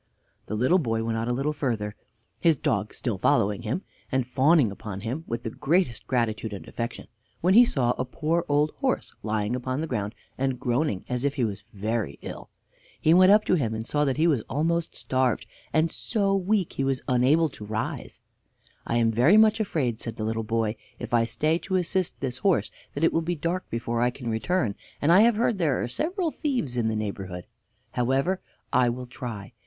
The little boy went on a little further, his dog still following him and fawning upon him with the greatest gratitude and affection, when he saw a poor old horse lying upon the ground, and groaning as if he was very ill. He went up to him, and saw that he was almost starved, and so weak that he was unable to rise. "I am very much afraid," said the little boy, "if I stay to assist this horse that it will be dark before I can return, and I have heard there are several thieves in the neighborhood. However, I will try.